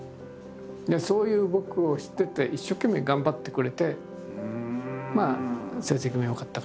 そういう僕を知ってて一生懸命頑張ってくれてまあ成績も良かったから。